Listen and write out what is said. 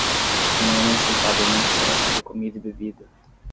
Um homem sentado em um quiosque de comida e bebida